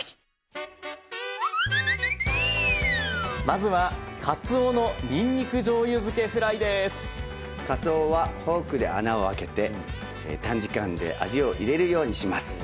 まずはかつおはフォークで穴を開けて短時間で味を入れるようにします。